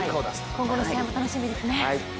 今後の試合も楽しみですね